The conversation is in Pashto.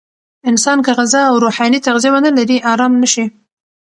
انسان که غذا او روحاني تغذیه ونلري، آرام نه شي.